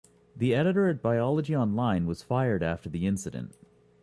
The editor at Biology Online was fired after the incident.